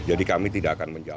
jadi kami tidak akan menjawab